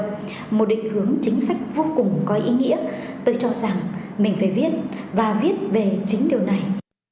vậy một định hướng chính sách vô cùng có ý nghĩa tôi cho rằng mình phải viết và viết về chính điều này